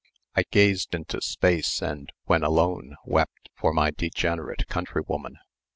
I gazed into space, and, when alone, wept for my degenerate countrywoman.